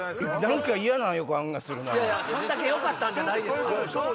そんだけよかったんじゃないですか？